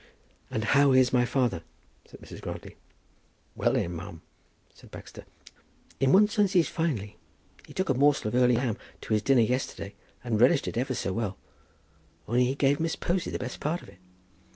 "And how is my father?" asked Mrs. Grantly. "Well, then, ma'am," said Baxter, "in one sense he's finely. He took a morsel of early lamb to his dinner yesterday, and relished it ever so well, only he gave Miss Posy the best part of it.